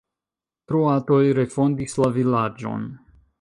Kroatoj refondis la vilaĝon.